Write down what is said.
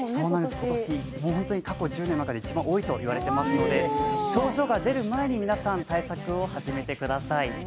今年過去１０年の中で最も多いといわれていますので症状が出る前に皆さん、対策を始めてください。